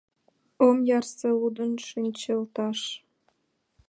— Ом ярсе лудын шинчылташ.